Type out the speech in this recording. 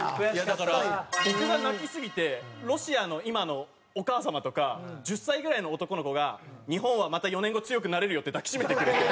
だから僕が泣きすぎてロシアの今のお母様とか１０歳ぐらいの男の子が日本はまた４年後強くなれるよって抱きしめてくれて。